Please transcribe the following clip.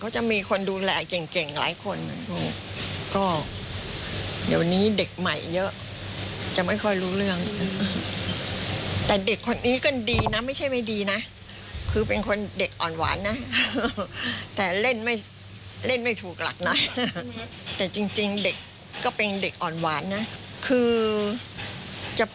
จะพูดว่าเด็กไม่รู้กาละเทศะดีกว่าเนอะ